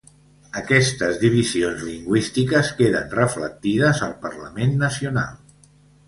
Aquestes divisions lingüístiques queden reflectides al Parlament nacional.